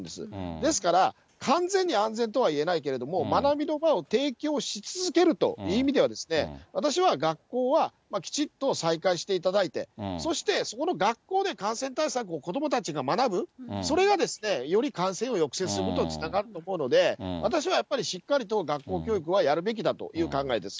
ですから、完全に安全とはいえないけれども、学びの場を提供し続けるという意味ではですね、私は学校はきちっと再開していただいて、そして、そこの学校で感染対策を子どもたちが学ぶ、それがより感染を抑制することにつながると思うので、私はやっぱり、しっかりと学校教育はやるべきだという考えです。